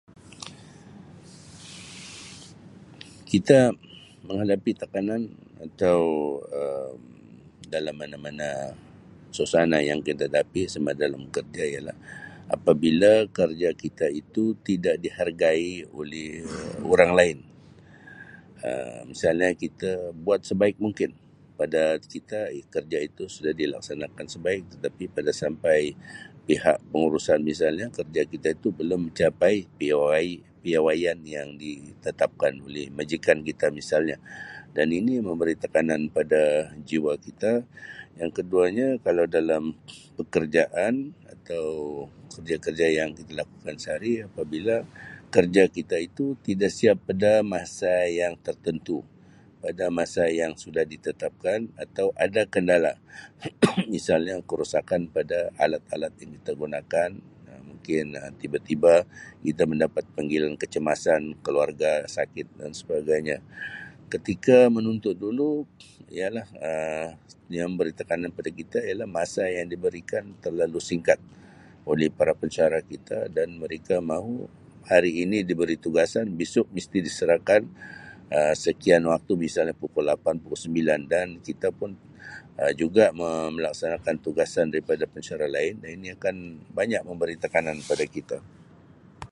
Kita menghadapi tekanan atau Um dalam mana-mana suasana yang kita hadapi samada dalam kerja ialah apabila kerja kita itu tidak dihargai oleh orang lain Um misalnya kita buat sebaik mungkin pada kita kerja itu sudah dilaksanakan sebaik tapi pada sampai pihak pengurusan misalnya kerja kita itu belum capai piawai-piawaian yang ditetapkan oleh majikan kita misalnya dan ini memberi tekanan pada jiwa kita yang keduanya kalau dalam pekerjaan atau kerja-kerja yang kita lakukan sehari apabila kerja kita itu tidak siap pada masa yang tertentu pada masa yang suda ditetapkan atau ada kendala misalnya kerosakkan pada alat-alat yang kita gunakan Um mungkin Um tiba-tiba kita mendapat panggilan kecemasan keluarga sakit dan sebagainya ketika menuntut dulu ya lah Um yang memberikan tekanan kepada kita masa yang diberikan terlalu singkat oleh para pensyarah kita dan mereka mahu hari ini diberi tugasan besok mesti diserahkan Um sekian waktu misalnya pukul lapan, pukul sembilan dan kita pun Um juga me-melaksanakan tugasan daripada pensyarah lain ini akan banyak memberi tekanan kepada kita.